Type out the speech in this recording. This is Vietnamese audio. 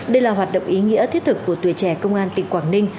đây là hoạt động ý nghĩa thiết thực của tuổi trẻ công an tỉnh quảng ninh